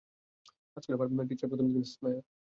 আজ স্কুলে আমার টিচারের প্রথম দিন মিসেস নায়ার।